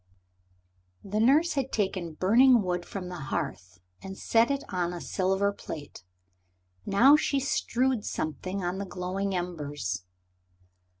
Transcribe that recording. The nurse had taken burning wood from the hearth and set it on a silver plate. Now she strewed something on the glowing embers.